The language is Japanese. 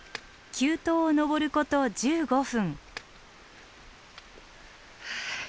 急登を登ること１５分。